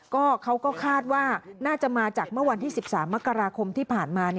ก็เขาก็คาดว่าน่าจะมาจากเมื่อวันที่๑๓มกราคมที่ผ่านมา